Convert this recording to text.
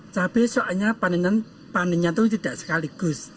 tapi soalnya panennya itu tidak sekaligus